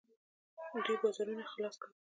دوی بازارونه خلاص کړل.